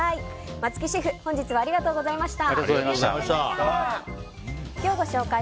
松木シェフ本日はありがとうございました。